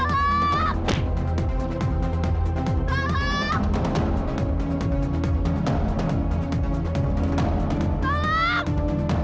tidak dia sudah kembali